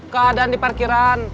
keadaan di parkiran